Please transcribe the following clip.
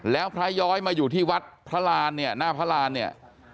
แล้วพระย้อยมาอยู่ที่วัดพระรานเนี่ยหน้าพระรานเนี่ย